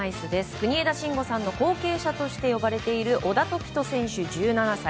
国枝慎吾さんの後継者と呼ばれている小田凱人、１７歳。